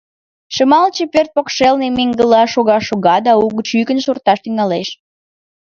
Шымалче пӧрт покшелне меҥгыла шога-шога да угыч йӱкын шорташ тӱҥалеш.